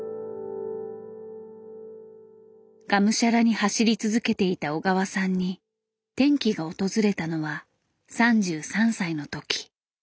がむしゃらに走り続けていた小川さんに転機が訪れたのは３３歳の時。